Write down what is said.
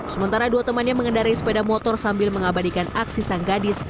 sementara dua temannya mengendari sepeda motor sambil mengabadikan aksi sang gadis